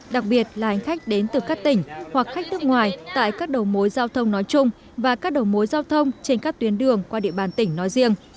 đặc biệt là hành khách đến từ các tỉnh hoặc khách nước ngoài tại các đầu mối giao thông nói chung và các đầu mối giao thông trên các tuyến đường qua địa bàn tỉnh nói riêng